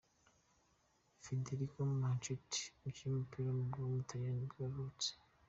Federico Marchetti, umukinnyi w’umupira w’amaguru w’umutaliyani ni bwo yavutse.